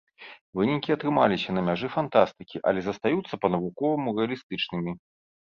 Вынікі атрымаліся на мяжы фантастыкі, але застаюцца па-навуковаму рэалістычнымі.